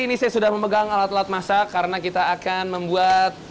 jadi ini saya sudah memegang alat alat masak karena kita akan membuat